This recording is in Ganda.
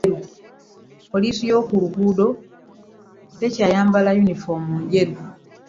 Polisi yo ku luggudo tekyayambala yunifomu enjeru.